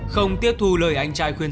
không tiếp thu lời anh trai khuyên